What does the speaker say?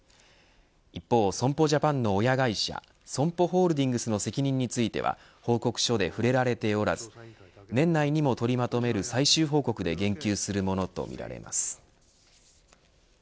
一方、損保ジャパンの親会社ＳＯＭＰＯホールディングスの責任については報告書でふれられておらず年内にも取りまとめる最終報告で言及するものとみられます。